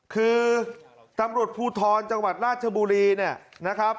คือตำรวจภูทรจังหวัดราชบุรีเนี่ยนะครับ